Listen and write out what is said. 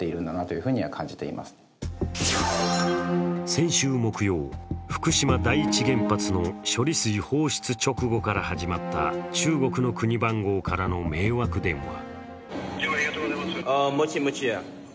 先週木曜、福島第一原発の処理水放出直後から始まった中国の国番号からの迷惑電話。